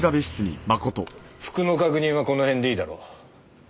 服の確認はこの辺でいいだろう。